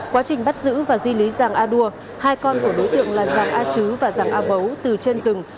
quá trình bắt giữ và di lý giàng a đua hai con của đối tượng là giàng a chứ và giàng a vấu từ trên rừng